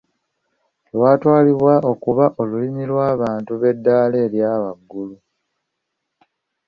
Lwatwalibwa okuba olulimi lw’abantu eb’eddaala erya waggulu.